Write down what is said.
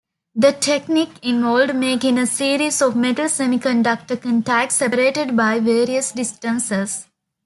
The technique involves making a series of metal-semiconductor contacts separated by various distances.